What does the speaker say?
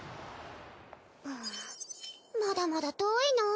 うんまだまだ遠いなぁ。